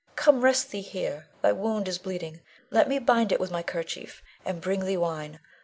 Come, rest thee here, thy wound is bleeding; let me bind it with my kerchief, and bring thee wine.